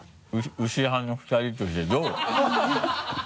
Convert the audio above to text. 牛派の２人としてどう？